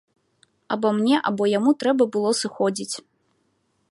Або мне, або яму трэба было сыходзіць.